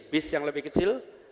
bis yang lebih kecil